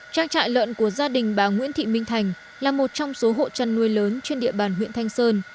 trang trại lợn của gia đình bà nguyễn thị minh thành là một trong số hộ chăn nuôi lớn trên địa bàn huyện thanh sơn